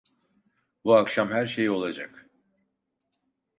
Bu akşam her şey olacak…